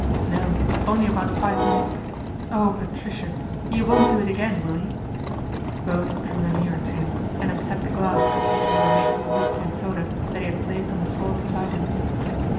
" No ; only about five minutes. Oh, Patricia ! you won't do it again, will you ?" Bowen drew her nearer to him and upset the glass containing the remains of the whisky and soda that he had placed on the floor beside him.